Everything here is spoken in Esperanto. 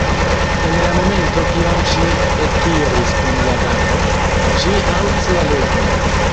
En la momento kiam ŝi ekiris kun la Damo, ŝi aŭdis la Reĝon.